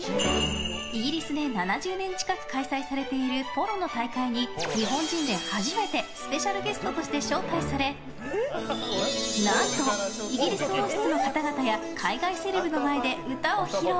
イギリスで７０年近く開催されているポロの大会に日本人で初めてスペシャルゲストとして招待され何とイギリス王室の方々や海外セレブの前で歌を披露。